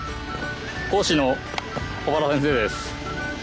講師の小原先生です。